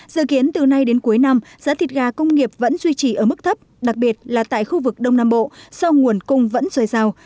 dự kiến từ nay đến cuối năm giá thịt gà công nghiệp vẫn duy trì ở mức thấp đặc biệt là tại khu vực đông nam bộ sau nguồn cung vẫn rời rào